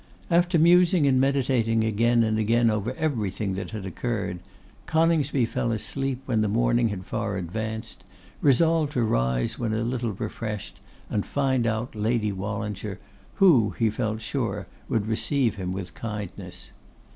After musing and meditating again and again over everything that had occurred, Coningsby fell asleep when the morning had far advanced, resolved to rise when a little refreshed and find out Lady Wallinger, who, he felt sure, would receive him with kindness.